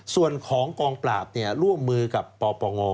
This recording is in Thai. ส่วนของกองปราบร่วมมือกับปปง